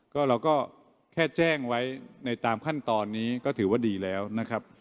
ก็เราก็แค่แจ้งไว้ในตามขั้นตอนนี้ก็ถือว่าดีแล้วนะครับ